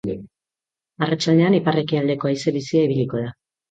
Arratsaldean ipar-ekialdeko haize bizia ibiliko da.